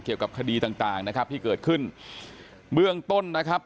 เกี่ยวกับคดีต่างต่างนะครับที่เกิดขึ้นเบื้องต้นนะครับ